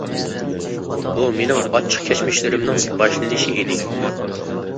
بۇ مېنىڭ ئاچچىق كەچمىشلىرىمنىڭ باشلىنىشى ئىدى.